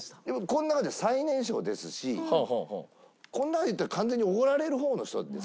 この中で最年少ですしこの中で言ったら完全におごられる方の人ですから。